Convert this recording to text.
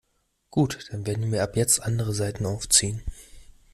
Gut, dann werden wir ab jetzt andere Saiten aufziehen.